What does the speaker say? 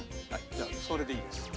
じゃあそれでいいです。